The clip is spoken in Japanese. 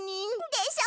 でしょ！